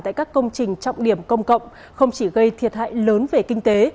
tại các công trình trọng điểm công cộng không chỉ gây thiệt hại lớn về kinh tế